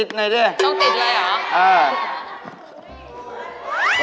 ต้องติดเลยเหรอเออใช่